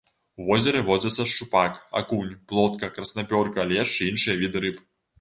У возеры водзяцца шчупак, акунь, плотка, краснапёрка, лешч і іншыя віды рыб.